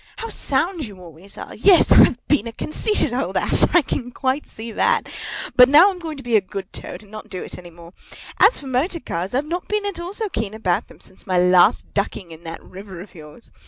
How sound you always are! Yes, I've been a conceited old ass, I can quite see that; but now I'm going to be a good Toad, and not do it any more. As for motor cars, I've not been at all so keen about them since my last ducking in that river of yours.